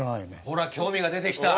ほら興味が出てきた。